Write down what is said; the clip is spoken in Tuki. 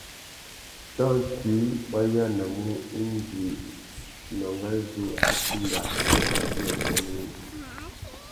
Tantsuï wa yānamú indi mangazú a timba itifiya ibianéwénô?